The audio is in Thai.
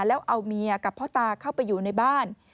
แล้วเอาเมียกับพ่อตาเข้าไปอยู่ในบ้าน